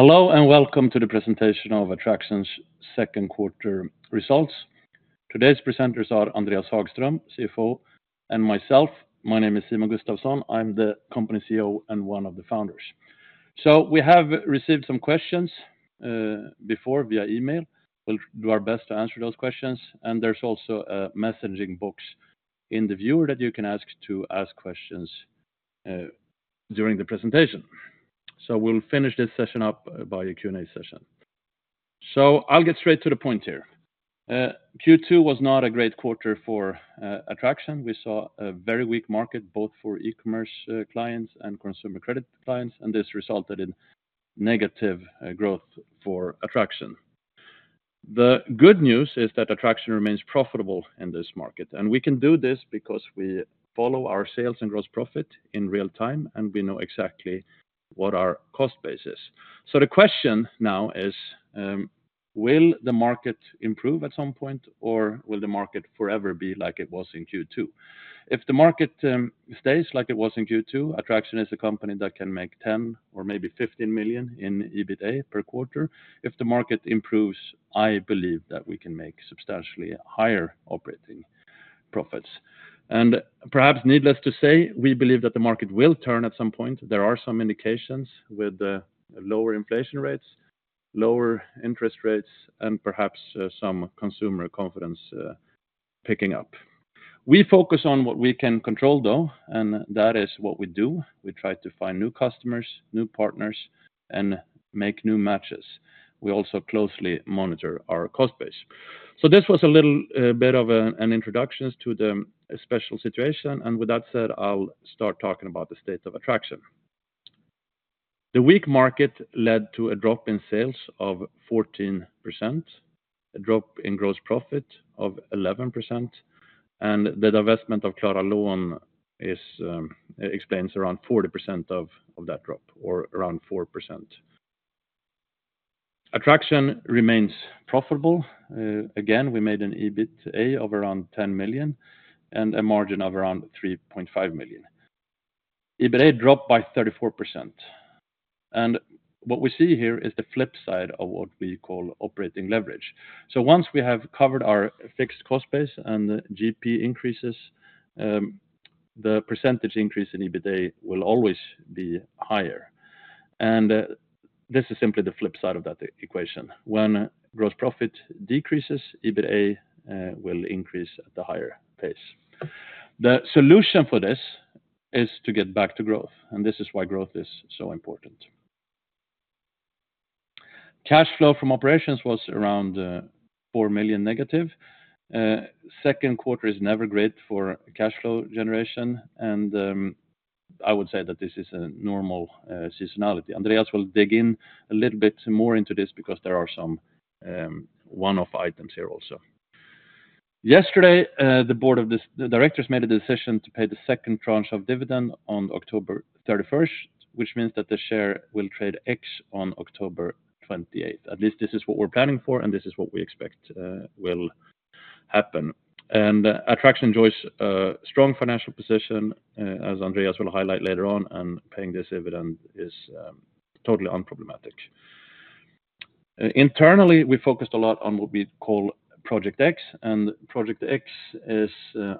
Hello, and welcome to the presentation of Adtraction's second quarter results. Today's presenters are Andreas Hagström, CFO, and myself. My name is Simon Gustafson. I'm the Company CEO, and one of the founders. We have received some questions before via email. We'll do our best to answer those questions, and there's also a messaging box in the viewer that you can ask to ask questions during the presentation. We'll finish this session up by a Q&A session. I'll get straight to the point here. Q2 was not a great quarter for Adtraction. We saw a very weak market, both for e-commerce clients and consumer credit clients, and this resulted in negative growth for Adtraction. The good news is that Adtraction remains profitable in this market, and we can do this because we follow our sales and gross profit in real time, and we know exactly what our cost base is. So the question now is, will the market improve at some point, or will the market forever be like it was in Q2? If the market stays like it was in Q2, Adtraction is a company that can make 10 million or maybe 15 million in EBITA per quarter. If the market improves, I believe that we can make substantially higher operating profits. And perhaps needless to say, we believe that the market will turn at some point. There are some indications with the lower inflation rates, lower interest rates, and perhaps some consumer confidence picking up. We focus on what we can control, though, and that is what we do. We try to find new customers, new partners, and make new matches. We also closely monitor our cost base. So this was a little bit of an introduction to the special situation, and with that said, I'll start talking about the state of Adtraction. The weak market led to a drop in sales of 14%, a drop in gross profit of 11%, and the divestment of Klara Lån explains around 40% of that drop, or around 4%. Adtraction remains profitable. Again, we made an EBITA of around 10 million and a margin of around 3.5 million. EBITA dropped by 34%, and what we see here is the flip side of what we call operating leverage. Once we have covered our fixed cost base and the GP increases, the percentage increase in EBITA will always be higher. This is simply the flip side of that equation. When gross profit decreases, EBITA will increase at the higher pace. The solution for this is to get back to growth, and this is why growth is so important. Cash flow from operations was around negative 4 million. Second quarter is never great for cash flow generation, and I would say that this is a normal seasonality. Andreas will dig in a little bit more into this because there are some one-off items here also. Yesterday, the board of directors made a decision to pay the second tranche of dividend on October 31st, which means that the share will trade ex on October 28. At least this is what we're planning for, and this is what we expect will happen. Adtraction enjoys a strong financial position, as Andreas will highlight later on, and paying this dividend is totally unproblematic. Internally, we focused a lot on what we call Project X, and Project X is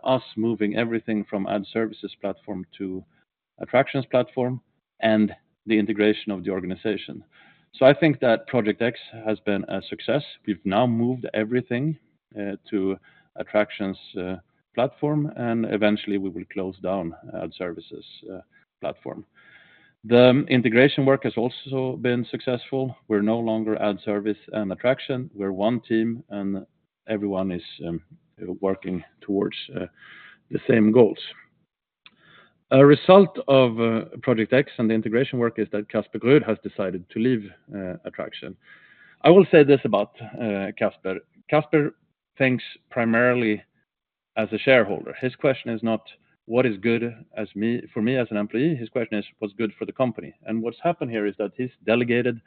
us moving everything from Adservice's platform to Adtraction's platform and the integration of the organization. So I think that Project X has been a success. We've now moved everything to Adtraction's platform, and eventually we will close down Adservice's platform. The integration work has also been successful. We're no longer Adservice and Adtraction. We're one team, and everyone is working towards the same goals. A result of Project X and the integration work is that Casper Grud has decided to leave Adtraction. I will say this about Casper. Casper thinks primarily as a shareholder. His question is not, "What is good for me as an employee?" His question is, "What's good for the company?" And what's happened here is that he's delegated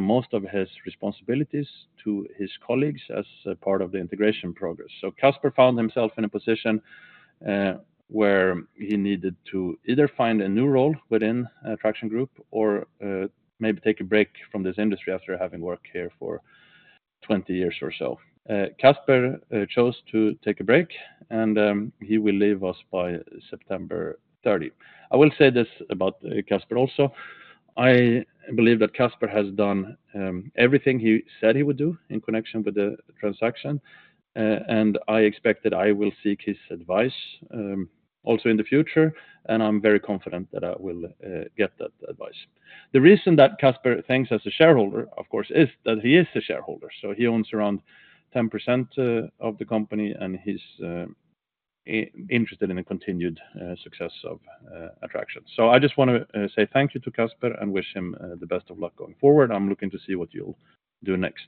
most of his responsibilities to his colleagues as a part of the integration process. So Casper found himself in a position where he needed to either find a new role within Adtraction Group or maybe take a break from this industry after having worked here for 20 years or so. Casper chose to take a break, and he will leave us by September 30. I will say this about Casper also: I believe that Casper has done everything he said he would do in connection with the transaction, and I expect that I will seek his advice also in the future, and I'm very confident that I will get that advice. The reason that Casper thinks as a shareholder, of course, is that he is a shareholder, so he owns around 10% of the company, and he's interested in the continued success of Adtraction. So I just want to say thank you to Casper and wish him the best of luck going forward. I'm looking to see what you'll do next.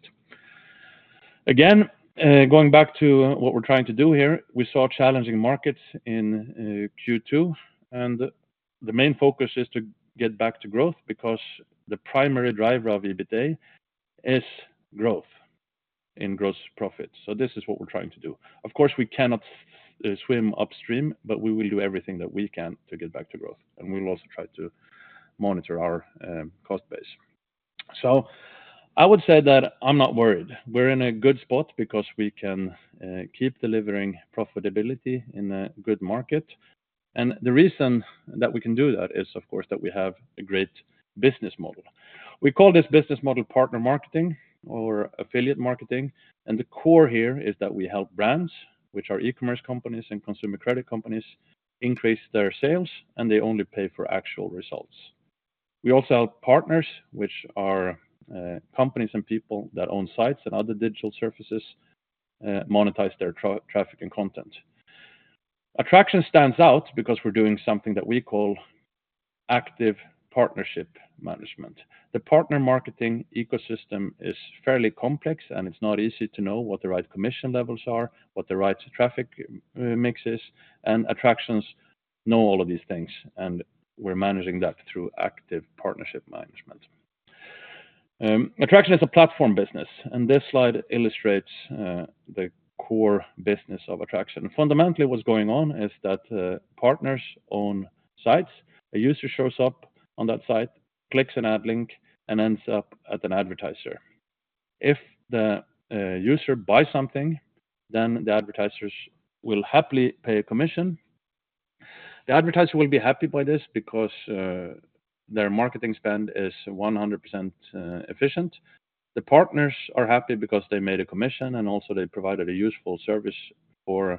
Again, going back to what we're trying to do here, we saw challenging markets in Q2, and the main focus is to get back to growth, because the primary driver of EBITA is growth in gross profit. So this is what we're trying to do. Of course, we cannot swim upstream, but we will do everything that we can to get back to growth, and we will also try to monitor our cost base. So I would say that I'm not worried. We're in a good spot because we can keep delivering profitability in a good market, and the reason that we can do that is, of course, that we have a great business model. We call this business model partner marketing or affiliate marketing, and the core here is that we help brands, which are e-commerce companies and consumer credit companies, increase their sales, and they only pay for actual results. We also help partners, which are companies and people that own sites and other digital surfaces, monetize their traffic and content. Adtraction stands out because we're doing something that we call active partnership management. The partner marketing ecosystem is fairly complex, and it's not easy to know what the right commission levels are, what the right traffic mix is, and Adtraction knows all of these things, and we're managing that through active partnership management. Adtraction is a platform business, and this slide illustrates the core business of Adtraction. Fundamentally, what's going on is that partners own sites. A user shows up on that site, clicks an ad link, and ends up at an advertiser. If the user buys something, then the advertisers will happily pay a commission. The advertiser will be happy by this because their marketing spend is 100% efficient. The partners are happy because they made a commission, and also they provided a useful service for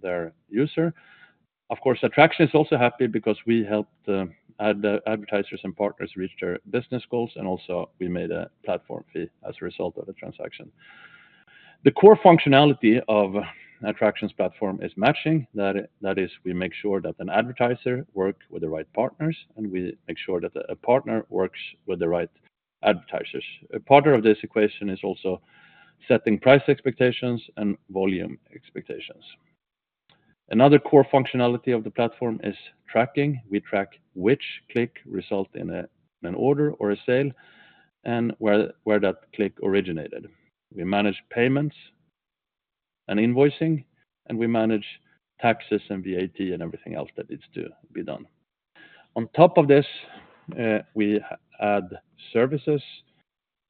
their user. Of course, Adtraction is also happy because we helped the advertisers and partners reach their business goals, and also we made a platform fee as a result of the transaction. The core functionality of Adtraction's platform is matching. That is, we make sure that an advertiser work with the right partners, and we make sure that a partner works with the right advertisers. A part of this equation is also setting price expectations and volume expectations. Another core functionality of the platform is tracking. We track which click result in an order or a sale, and where that click originated. We manage payments and invoicing, and we manage taxes and VAT and everything else that needs to be done. On top of this, we add services,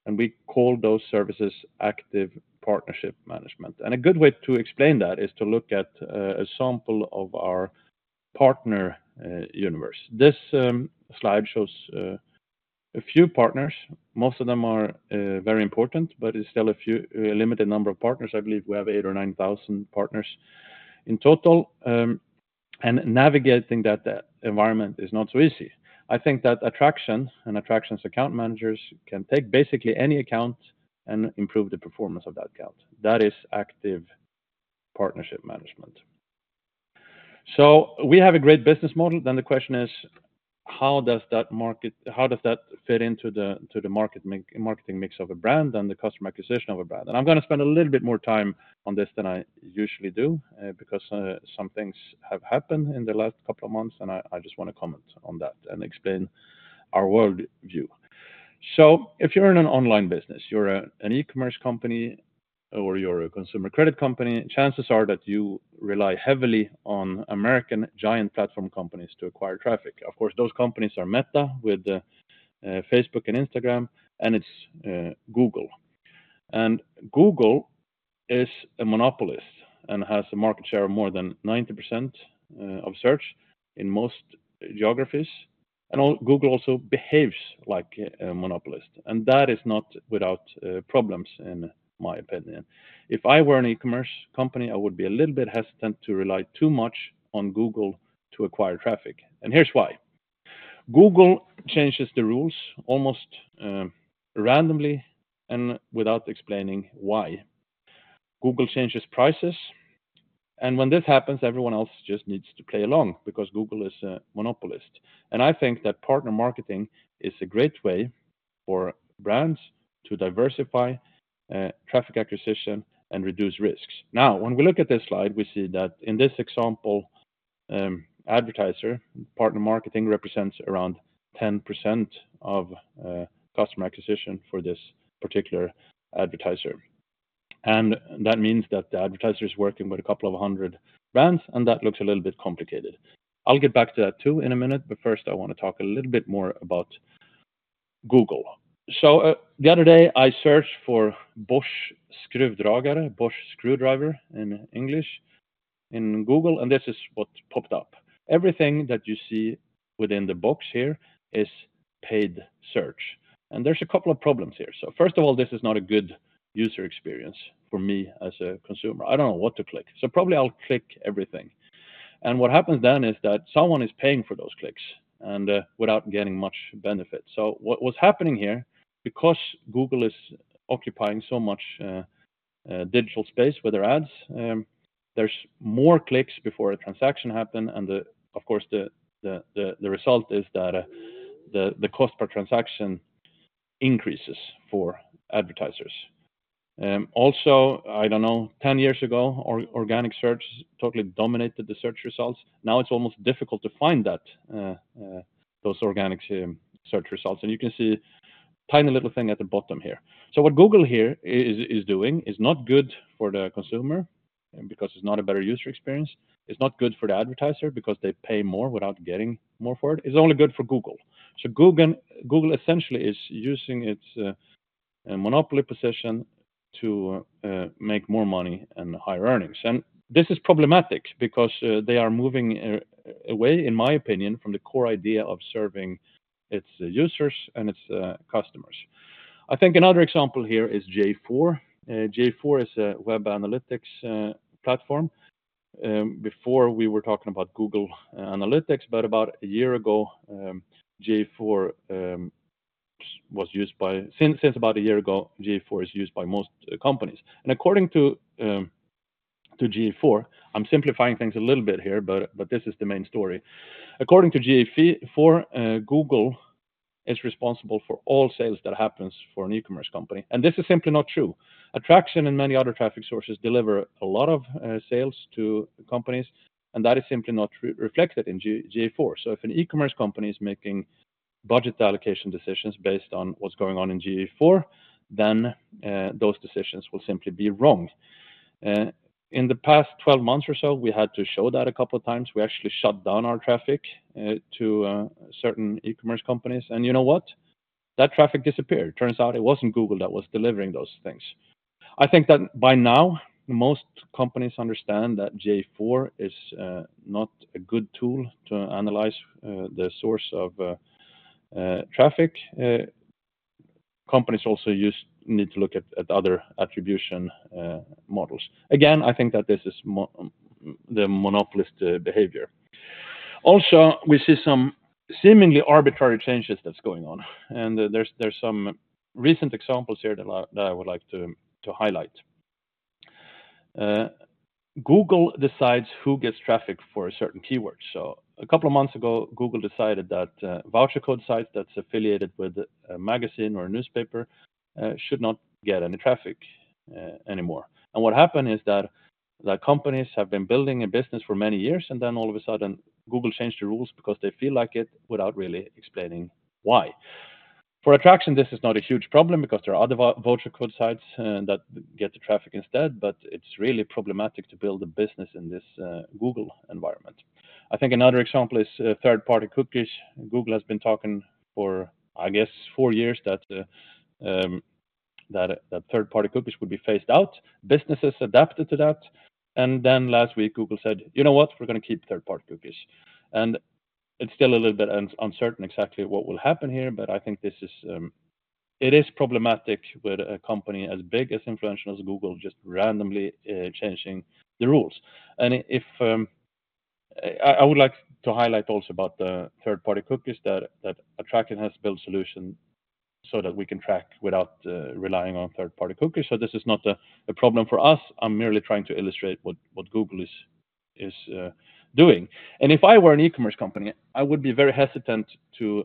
and we call those services active partnership management. A good way to explain that is to look at a sample of our partner universe. This slide shows a few partners. Most of them are very important, but it's still a few, a limited number of partners. I believe we have 8,000 or 9,000 partners in total, and navigating that environment is not so easy. I think that Adtraction and Adtraction's account managers can take basically any account and improve the performance of that account. That is Active Partnership Management. So we have a great business model, then the question is: How does that market, how does that fit into the, to the marketing mix of a brand and the customer acquisition of a brand? And I'm going to spend a little bit more time on this than I usually do, because, some things have happened in the last couple of months, and I just want to comment on that and explain our world view. So if you're in an online business, you're an e-commerce company or you're a consumer credit company, chances are that you rely heavily on American giant platform companies to acquire traffic. Of course, those companies are Meta with Facebook and Instagram, and it's Google. Google is a monopolist and has a market share of more than 90% of search in most geographies, and Google also behaves like a monopolist, and that is not without problems, in my opinion. If I were an e-commerce company, I would be a little bit hesitant to rely too much on Google to acquire traffic, and here's why: Google changes the rules almost randomly and without explaining why. Google changes prices, and when this happens, everyone else just needs to play along because Google is a monopolist. And I think that partner marketing is a great way for brands to diversify traffic acquisition and reduce risks. Now, when we look at this slide, we see that in this example, advertiser, partner marketing represents around 10% of customer acquisition for this particular advertiser. That means that the advertiser is working with a couple of hundred brands, and that looks a little bit complicated. I'll get back to that too in a minute, but first, I want to talk a little bit more about Google. So, the other day, I searched for Bosch Skruetrækkere, Bosch Screwdriver in English, in Google, and this is what popped up. Everything that you see within the box here is paid search, and there's a couple of problems here. So first of all, this is not a good user experience for me as a consumer. I don't know what to click, so probably I'll click everything. And what happens then is that someone is paying for those clicks and, without getting much benefit. So what's happening here, because Google is occupying so much digital space with their ads, there's more clicks before a transaction happen, and of course, the result is that the cost per transaction increases for advertisers. Also, I don't know, 10 years ago, organic search totally dominated the search results. Now, it's almost difficult to find that those organic search results. And you can see tiny little thing at the bottom here. So what Google here is doing is not good for the consumer, because it's not a better user experience. It's not good for the advertiser because they pay more without getting more for it. It's only good for Google. So Google essentially is using its monopoly position to make more money and higher earnings. This is problematic because they are moving away, in my opinion, from the core idea of serving its users and its customers. I think another example here is GA4. GA4 is a web analytics platform. Before we were talking about Google Analytics, but about a year ago, GA4 is used by most companies. And according to GA4, I'm simplifying things a little bit here, but this is the main story. According to GA4, Google is responsible for all sales that happens for an e-commerce company, and this is simply not true. Adtraction and many other traffic sources deliver a lot of sales to companies, and that is simply not reflected in GA4. So if an e-commerce company is making budget allocation decisions based on what's going on in GA4, then, those decisions will simply be wrong. In the past 12 months or so, we had to show that a couple of times. We actually shut down our traffic to certain e-commerce companies. And you know what? That traffic disappeared. Turns out it wasn't Google that was delivering those things. I think that by now, most companies understand that GA4 is not a good tool to analyze the source of traffic. Companies also need to look at other attribution models. Again, I think that this is the monopolist behavior. Also, we see some seemingly arbitrary changes that's going on, and there's some recent examples here that I would like to highlight. Google decides who gets traffic for a certain keyword. So a couple of months ago, Google decided that voucher code sites that's affiliated with a magazine or a newspaper should not get any traffic anymore. What happened is that the companies have been building a business for many years, and then all of a sudden, Google changed the rules because they feel like it without really explaining why. For Adtraction, this is not a huge problem because there are other voucher code sites that get the traffic instead, but it's really problematic to build a business in this Google environment. I think another example is third-party cookies. Google has been talking for, I guess, four years, that third-party cookies would be phased out. Businesses adapted to that, and then last week, Google said, "You know what? We're gonna keep third-party cookies." And it's still a little bit uncertain exactly what will happen here, but I think this is. It is problematic with a company as big, as influential as Google, just randomly changing the rules. And if I would like to highlight also about the third-party cookies that Adtraction has built solution so that we can track without relying on third-party cookies. So this is not a problem for us. I'm merely trying to illustrate what Google is doing. And if I were an e-commerce company, I would be very hesitant to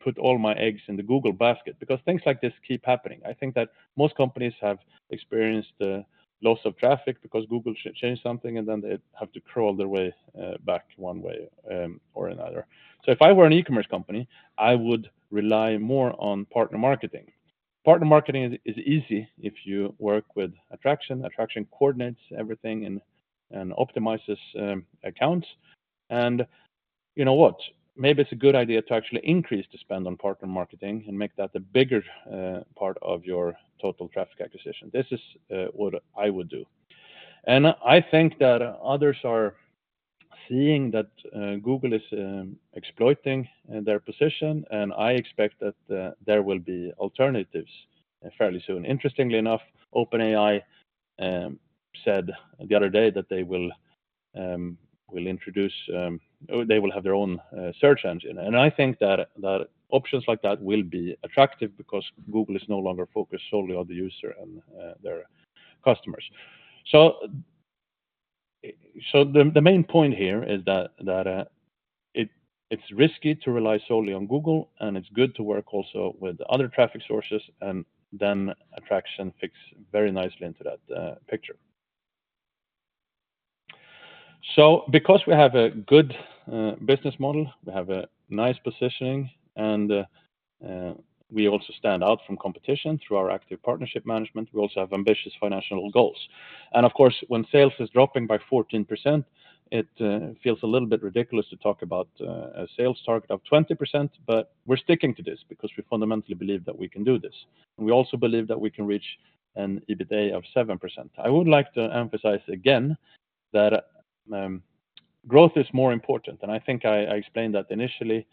put all my eggs in the Google basket because things like this keep happening. I think that most companies have experienced a loss of traffic because Google changed something, and then they have to crawl their way back one way or another. So if I were an e-commerce company, I would rely more on partner marketing. Partner marketing is easy if you work with Adtraction. Adtraction coordinates everything and optimizes accounts. And you know what? Maybe it's a good idea to actually increase the spend on partner marketing and make that a bigger part of your total traffic acquisition. This is what I would do. And I think that others are seeing that Google is exploiting their position, and I expect that there will be alternatives fairly soon. Interestingly enough, OpenAI said the other day that they will introduce or they will have their own search engine. And I think that options like that will be attractive because Google is no longer focused solely on the user and their customers. So the main point here is that it's risky to rely solely on Google, and it's good to work also with other traffic sources, and then Adtraction fits very nicely into that picture. So because we have a good business model, we have a nice positioning, and we also stand out from competition through our active partnership management, we also have ambitious financial goals. And of course, when sales is dropping by 14%, it feels a little bit ridiculous to talk about a sales target of 20%, but we're sticking to this because we fundamentally believe that we can do this. We also believe that we can reach an EBITA of 7%. I would like to emphasize again that growth is more important, and I think I explained that initially,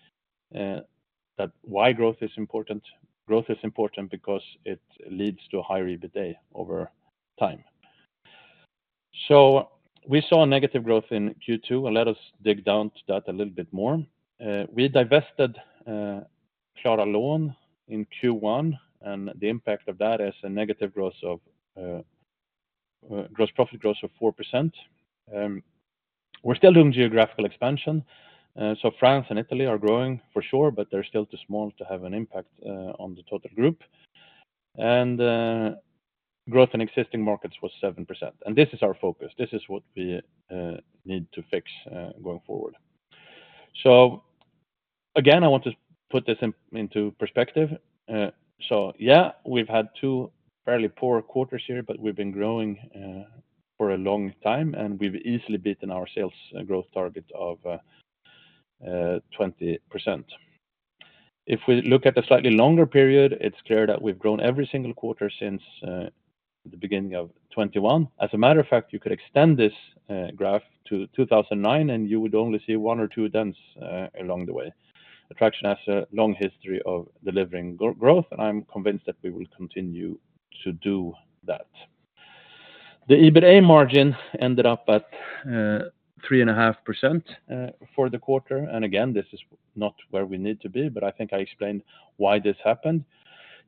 that's why growth is important. Growth is important because it leads to a higher EBITA over time. So we saw a negative growth in Q2, and let us dig down to that a little bit more. We divested Klara Lån in Q1, and the impact of that is a negative growth of gross profit growth of 4%. We're still doing geographical expansion, so France and Italy are growing for sure, but they're still too small to have an impact on the total group. Growth in existing markets was 7%, and this is our focus. This is what we need to fix going forward. So again, I want to put this in, into perspective. So yeah, we've had two fairly poor quarters here, but we've been growing for a long time, and we've easily beaten our sales growth target of 20%. If we look at a slightly longer period, it's clear that we've grown every single quarter since the beginning of 2021. As a matter of fact, you could extend this graph to 2009, and you would only see one or two dents along the way. Adtraction has a long history of delivering growth, and I'm convinced that we will continue to do that. The EBITA margin ended up at 3.5% for the quarter, and again, this is not where we need to be, but I think I explained why this happened.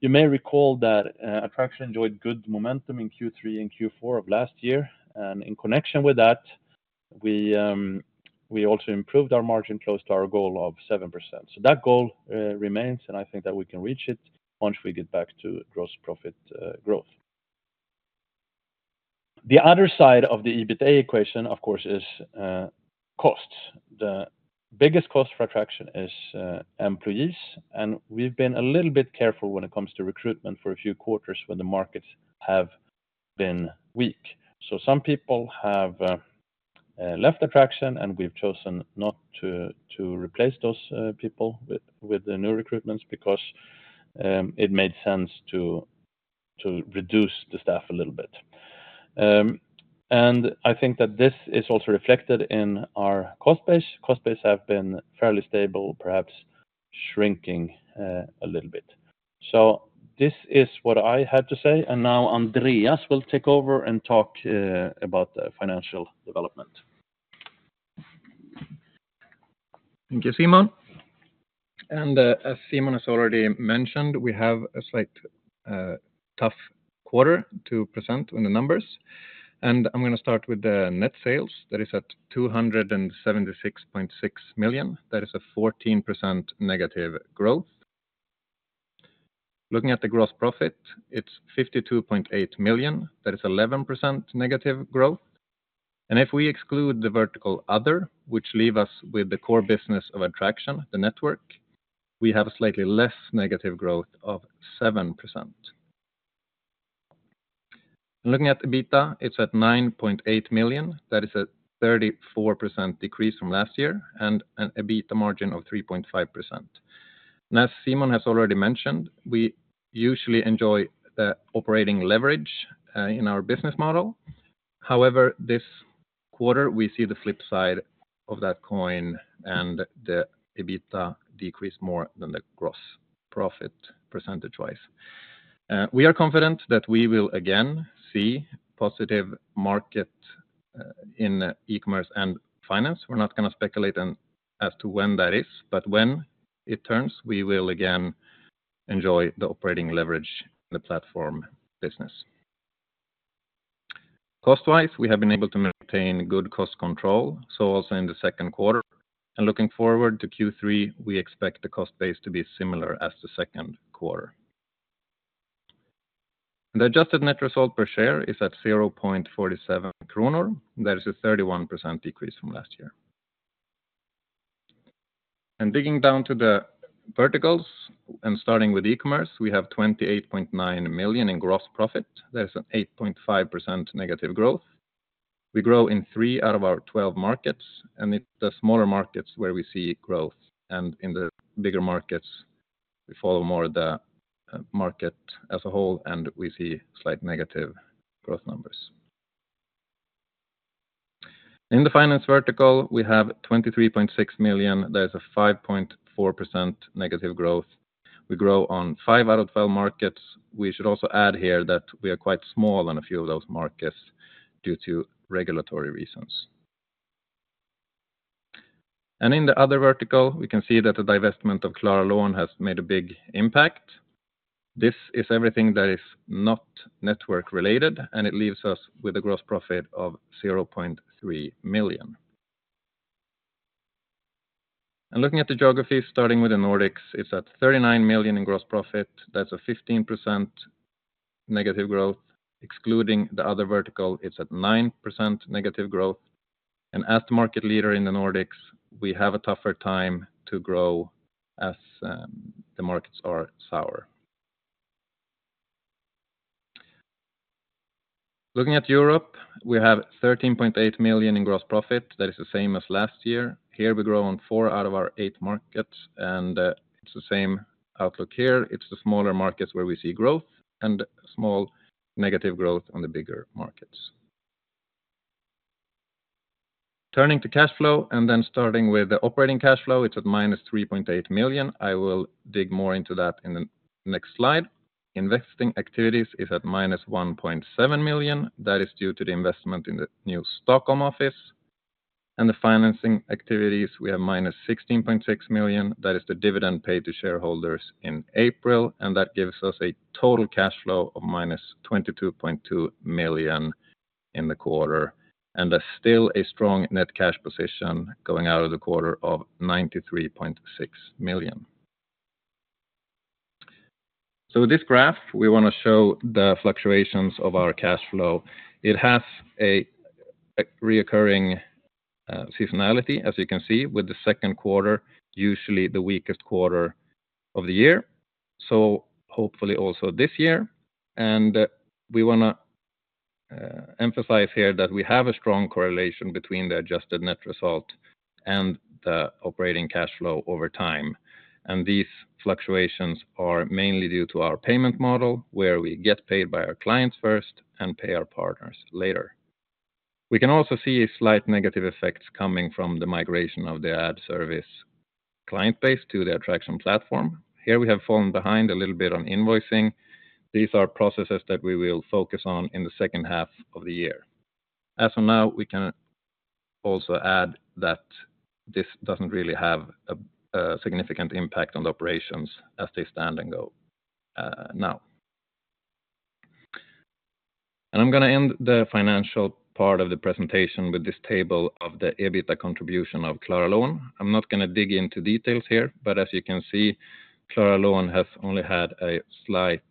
You may recall that, Adtraction enjoyed good momentum in Q3 and Q4 of last year, and in connection with that, we also improved our margin close to our goal of 7%. So that goal remains, and I think that we can reach it once we get back to gross profit growth. The other side of the EBITA equation, of course, is costs. The biggest cost for Adtraction is employees, and we've been a little bit careful when it comes to recruitment for a few quarters when the markets have been weak. So some people have left Adtraction, and we've chosen not to replace those people with the new recruitments because it made sense to reduce the staff a little bit. And I think that this is also reflected in our cost base. Cost base have been fairly stable, perhaps shrinking, a little bit. So this is what I had to say, and now Andreas will take over and talk about the financial development. Thank you, Simon. As Simon has already mentioned, we have a slight tough quarter to present on the numbers, and I'm going to start with the net sales. That is at 276.6 million. That is a 14% negative growth. Looking at the gross profit, it's 52.8 million. That is 11% negative growth. And if we exclude the vertical other, which leave us with the core business of Adtraction, the network, we have a slightly less negative growth of 7%. Looking at EBITA, it's at 9.8 million. That is a 34% decrease from last year, and an EBITA margin of 3.5%. As Simon has already mentioned, we usually enjoy the operating leverage in our business model. However, this quarter, we see the flip side of that coin, and the EBITA decreased more than the gross profit percentage-wise. We are confident that we will again see positive market in e-commerce and finance. We're not going to speculate on as to when that is, but when it turns, we will again enjoy the operating leverage in the platform business. Cost-wise, we have been able to maintain good cost control, so also in the second quarter. Looking forward to Q3, we expect the cost base to be similar as the second quarter. The adjusted net result per share is at 0.47 kronor. That is a 31% decrease from last year. Digging down to the verticals and starting with e-commerce, we have 28.9 million in gross profit. That is an 8.5% negative growth. We grow in 3 out of our 12 markets, and it's the smaller markets where we see growth, and in the bigger markets, we follow more of the market as a whole, and we see slight negative growth numbers. In the finance vertical, we have 23.6 million. That is a -5.4% growth. We grow on 5 out of 12 markets. We should also add here that we are quite small on a few of those markets due to regulatory reasons. In the other vertical, we can see that the divestment of Klara Lån has made a big impact. This is everything that is not network-related, and it leaves us with a gross profit of 0.3 million. Looking at the geography, starting with the Nordics, it's at 39 million in gross profit. That's a -15% growth. Excluding the other vertical, it's at 9% negative growth, and as the market leader in the Nordics, we have a tougher time to grow as the markets are sour. Looking at Europe, we have 13.8 million in gross profit. That is the same as last year. Here, we grow on four out of our eight markets, and it's the same outlook here. It's the smaller markets where we see growth and small negative growth on the bigger markets. Turning to cash flow, and then starting with the operating cash flow, it's at -3.8 million. I will dig more into that in the next slide. Investing activities is at -1.7 million. That is due to the investment in the new Stockholm office. And the financing activities, we have -16.6 million. That is the dividend paid to shareholders in April, and that gives us a total cash flow of -22.2 million in the quarter, and there's still a strong net cash position going out of the quarter of 93.6 million. So with this graph, we wanna show the fluctuations of our cash flow. It has a recurring seasonality, as you can see, with the second quarter, usually the weakest quarter of the year, so hopefully also this year. And we wanna emphasize here that we have a strong correlation between the adjusted net result and the operating cash flow over time. And these fluctuations are mainly due to our payment model, where we get paid by our clients first and pay our partners later. We can also see a slight negative effects coming from the migration of the Adservice client base to the Adtraction platform. Here we have fallen behind a little bit on invoicing. These are processes that we will focus on in the second half of the year. As of now, we can also add that this doesn't really have a significant impact on the operations as they stand and go now. And I'm gonna end the financial part of the presentation with this table of the EBITA contribution of Klara Lån. I'm not gonna dig into details here, but as you can see, Klara Lån has only had a slight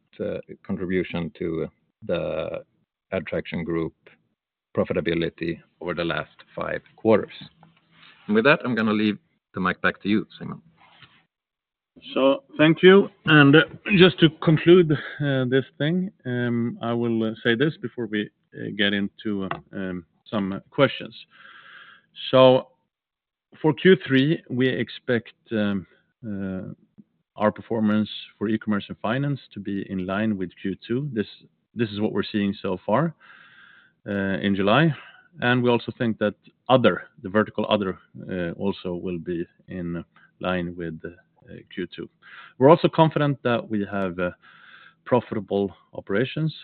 contribution to the Adtraction Group profitability over the last five quarters. And with that, I'm gonna leave the mic back to you, Simon. So thank you. And just to conclude, this thing, I will say this before we get into some questions. So for Q3, we expect our performance for e-commerce and finance to be in line with Q2. This is what we're seeing so far in July, and we also think that the other verticals also will be in line with Q2. We're also confident that we have profitable operations.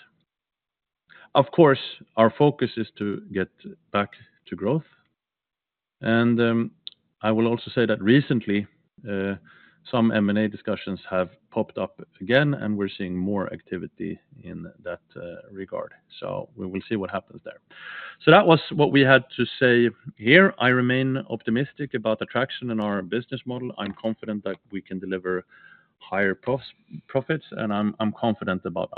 Of course, our focus is to get back to growth. And I will also say that recently some M&A discussions have popped up again, and we're seeing more activity in that regard, so we will see what happens there. So that was what we had to say here. I remain optimistic about Adtraction and our business model. I'm confident that we can deliver higher profits, and I'm confident about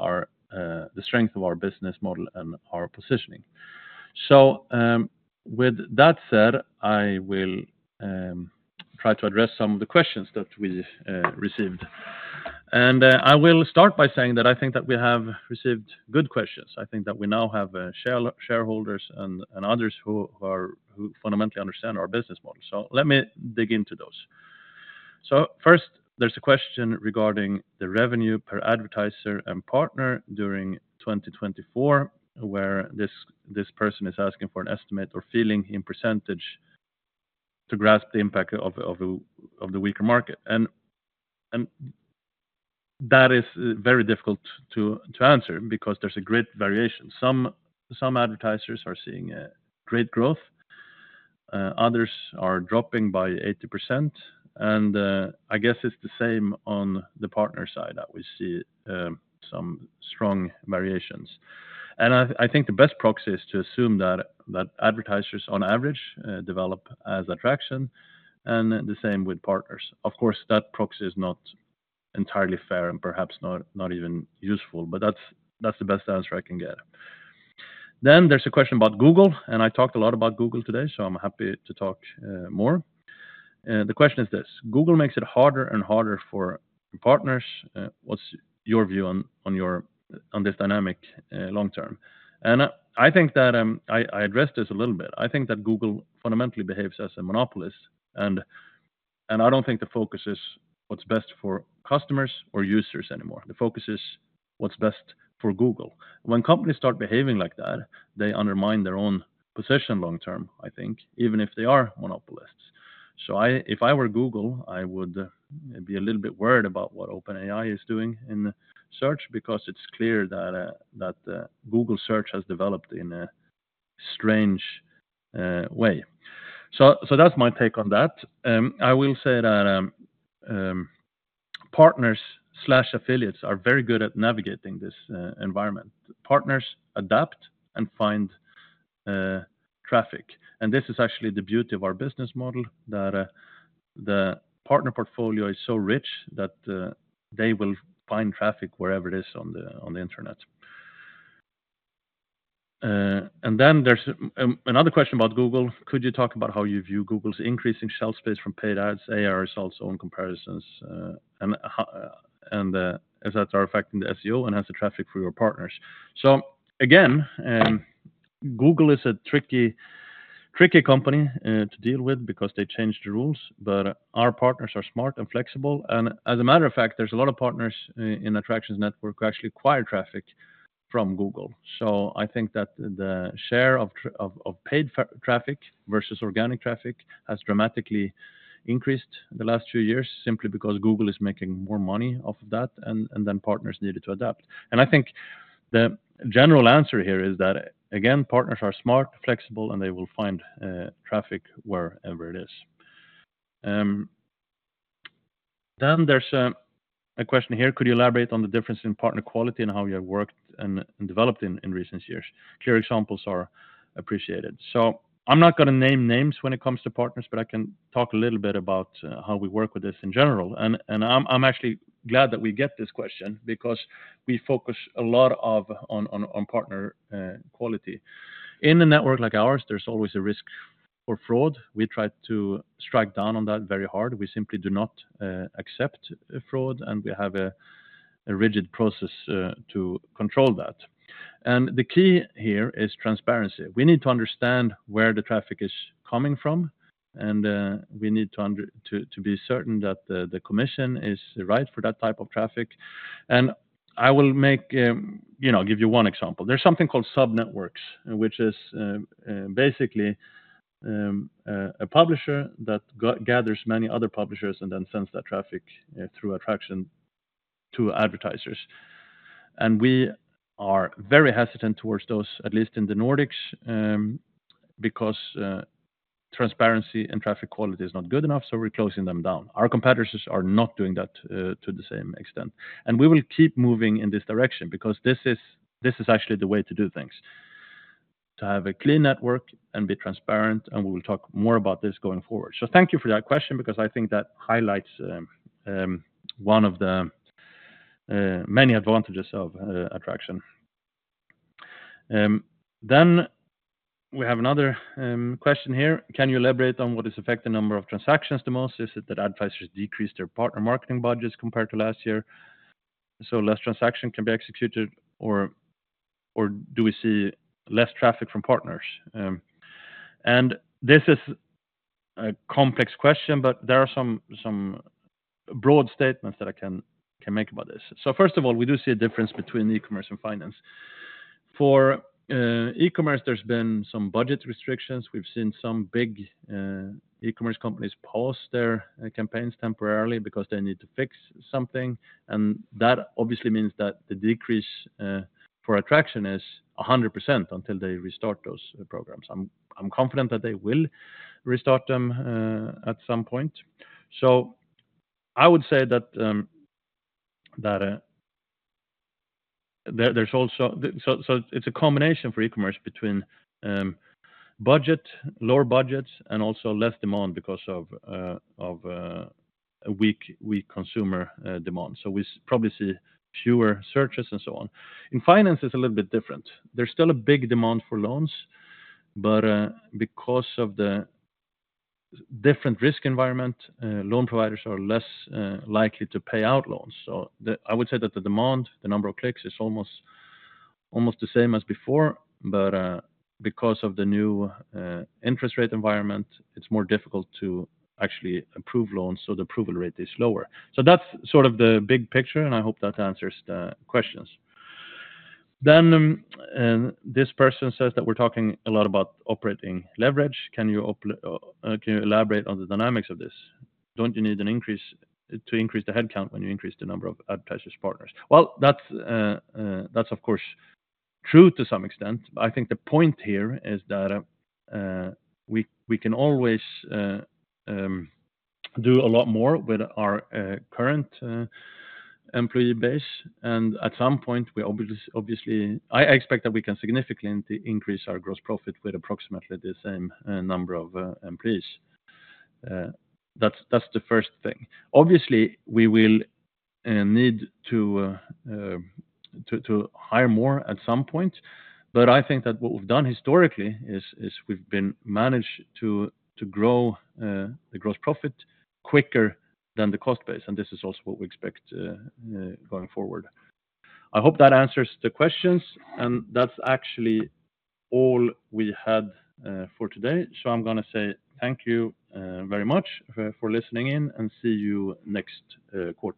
the strength of our business model and our positioning. So, with that said, I will try to address some of the questions that we received. I will start by saying that I think that we have received good questions. I think that we now have shareholders and others who fundamentally understand our business model. So let me dig into those. So first, there's a question regarding the revenue per advertiser and partner during 2024, where this person is asking for an estimate or feeling in percentage to grasp the impact of the weaker market. And that is very difficult to answer because there's a great variation. Some advertisers are seeing great growth, others are dropping by 80%, and I guess it's the same on the partner side, that we see some strong variations. I think the best proxy is to assume that advertisers, on average, develop as Adtraction, and the same with partners. Of course, that proxy is not entirely fair and perhaps not even useful, but that's the best answer I can get. Then there's a question about Google, and I talked a lot about Google today, so I'm happy to talk more. The question is this: Google makes it harder and harder for partners. What's your view on your, on this dynamic long term? And I think that I addressed this a little bit. I think that Google fundamentally behaves as a monopolist, and, and I don't think the focus is what's best for customers or users anymore. The focus is what's best for Google. When companies start behaving like that, they undermine their own position long term, I think, even if they are monopolists. So, if I were Google, I would be a little bit worried about what OpenAI is doing in search, because it's clear that that Google Search has developed in a strange way. So that's my take on that. I will say that partners/affiliates are very good at navigating this environment. Partners adapt and find traffic. And this is actually the beauty of our business model, that the partner portfolio is so rich that they will find traffic wherever it is on the on the internet. And then there's another question about Google: Could you talk about how you view Google's increasing shelf space from paid ads, AR results, own comparisons, and how and if that are affecting the SEO and has the traffic for your partners? So again, Google is a tricky, tricky company to deal with because they change the rules, but our partners are smart and flexible. And as a matter of fact, there's a lot of partners in Adtraction's network who actually acquire traffic from Google. So I think that the share of paid traffic versus organic traffic has dramatically increased in the last few years, simply because Google is making more money off that, and then partners needed to adapt. I think the general answer here is that, again, partners are smart, flexible, and they will find traffic wherever it is. There's a question here: Could you elaborate on the difference in partner quality and how you have worked and developed in recent years? Clear examples are appreciated. So I'm not gonna name names when it comes to partners, but I can talk a little bit about how we work with this in general. And I'm actually glad that we get this question because we focus a lot on partner quality. In a network like ours, there's always a risk for fraud. We try to strike down on that very hard. We simply do not accept fraud, and we have a rigid process to control that. And the key here is transparency. We need to understand where the traffic is coming from, and we need to, to be certain that the commission is right for that type of traffic. And I will make, you know, give you one example. There's something called Sub Networks, which is basically a publisher that gathers many other publishers and then sends that traffic through Adtraction to advertisers. And we are very hesitant towards those, at least in the Nordics, because transparency and traffic quality is not good enough, so we're closing them down. Our competitors are not doing that to the same extent. And we will keep moving in this direction because this is actually the way to do things, to have a clear network and be transparent, and we will talk more about this going forward. So thank you for that question because I think that highlights one of the many advantages of Adtraction. Then we have another question here: Can you elaborate on what is affecting the number of transactions the most? Is it that advertisers decreased their partner marketing budgets compared to last year, so less transaction can be executed, or do we see less traffic from partners? And this is a complex question, but there are some broad statements that I can make about this. So first of all, we do see a difference between e-commerce and finance. For e-commerce, there's been some budget restrictions. We've seen some big e-commerce companies pause their campaigns temporarily because they need to fix something, and that obviously means that the decrease for Adtraction is 100% until they restart those programs. I'm confident that they will restart them at some point. So I would say that there's also so it's a combination for e-commerce between budget lower budgets and also less demand because of weak consumer demand. So we probably see fewer searches and so on. In finance, it's a little bit different. There's still a big demand for loans, but because of the different risk environment loan providers are less likely to pay out loans. So I would say that the demand, the number of clicks, is almost the same as before, but because of the new interest rate environment, it's more difficult to actually approve loans, so the approval rate is lower. So that's sort of the big picture, and I hope that answers the questions. This person says that we're talking a lot about operating leverage. Can you elaborate on the dynamics of this? Don't you need to increase the headcount when you increase the number of advertisers partners? Well, that's, of course, true to some extent, but I think the point here is that we can always do a lot more with our current employee base, and at some point, we obviously. I expect that we can significantly increase our gross profit with approximately the same number of employees. That's the first thing. Obviously, we will need to hire more at some point, but I think that what we've done historically is we've managed to grow the gross profit quicker than the cost base, and this is also what we expect going forward. I hope that answers the questions, and that's actually all we had for today. So I'm gonna say thank you very much for listening in, and see you next quarter.